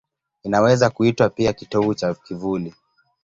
Inaweza kuitwa pia kitovu cha kivuli.